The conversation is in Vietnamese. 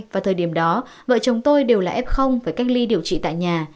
vào thời điểm đó vợ chồng tôi đều là f và cách ly điều trị tại nhà